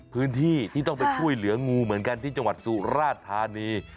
พื้นที่ที่ต้องไปช่วยเหลืองูเหมือนกันที่จังหวัดสุราธานี